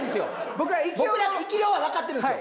僕ら生霊はわかってるんですよ。